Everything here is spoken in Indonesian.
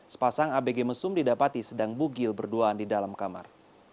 sepasang abg mesum didapati sedang bugil berduaan di dalam kamar